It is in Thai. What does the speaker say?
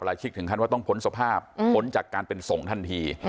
ชิกถึงขั้นว่าต้องพ้นสภาพพ้นจากการเป็นส่งทันที